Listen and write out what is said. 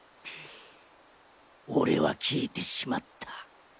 俺は聞いてしまった。